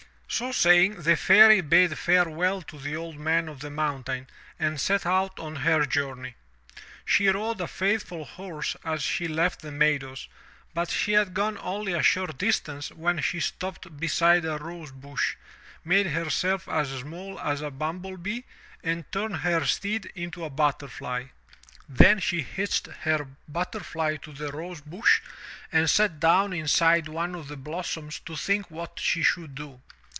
So saying, the Fairy bade farewell to the Old Man of the Mountain ^id set out on her journey. She rode a faithful horse as she left the meadows, but she had gone only a short distance when she stopped beside a rosebush, made herself as small as a bumble bee and turned her steed into a butterfly. Then she 376 THROUGH FAIRY HALLS hitched her butterfly to the rosebush and sat down inside one of the blossoms to think what she should do.